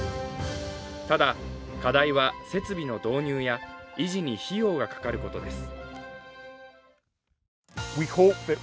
ただ、課題は設備の導入や維持に費用がかかることです。